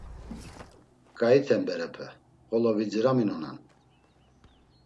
K̆aiten berepe, xolo vidziraminonan.